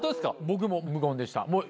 僕も無言でした。